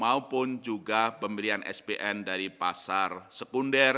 dan penurunan uang sebesar rp satu ratus lima puluh lima triliun